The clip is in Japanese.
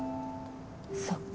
そっか。